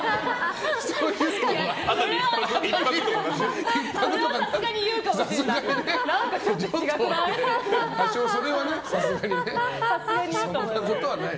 それはさすがに言うかもしれない。